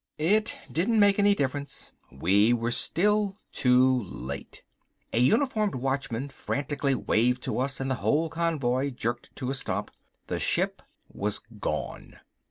It didn't make any difference, we were still too late. A uniformed watchman frantically waved to us and the whole convoy jerked to a stop. The ship was gone.